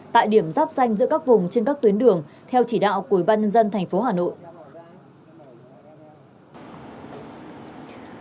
tại điểm rắp xanh giữa các vùng trên các tuyến đường theo chỉ đạo của ủy ban nhân dân tp hà nội